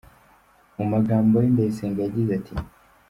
Mu gamabo ye Ndayisenga yagize ati;.